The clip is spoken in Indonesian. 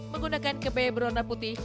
menggunakan kebaya berwarna putih